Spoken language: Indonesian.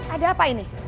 ada apa ini